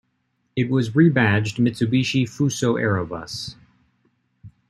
It was a rebadged Mitsubishi Fuso Aero Bus.